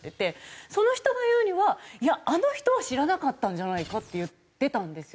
その人が言うには「いやあの人は知らなかったんじゃないか」って言ってたんですよ。